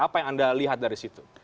apa yang anda lihat dari situ